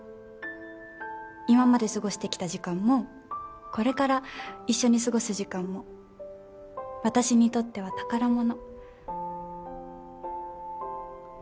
今まで過ごしてきた時間もこれから一緒に過ごす時間も私にとっては宝物。